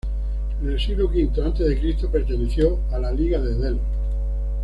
En el siglo V a. C. perteneció a la Liga de Delos.